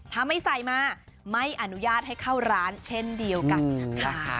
ถ้าไม่ใส่มาไม่อนุญาตให้เข้าร้านเช่นเดียวกันนะคะ